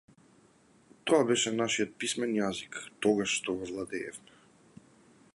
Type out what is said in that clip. Тоа беше нашиот писмен јазик, тогаш што го владеевме.